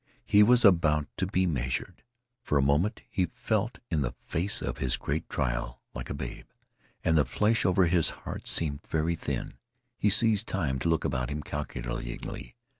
He was about to be measured. For a moment he felt in the face of his great trial like a babe, and the flesh over his heart seemed very thin. He seized time to look about him calculatingly.